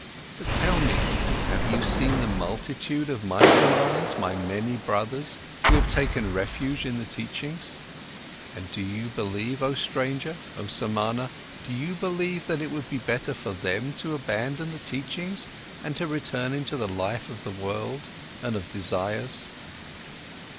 But tell me: Have you seen the multitude of my Samanas, my many brothers, who have taken refuge in the teachings? And do you believe, oh stranger, oh Samana, do you believe that it would be better for them all the abandon the teachings and to return into the life the world and of desires?"